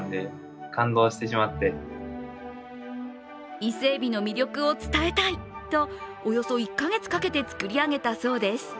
伊勢エビの魅力を伝えたいとおよそ１か月かけて作り上げたそうです。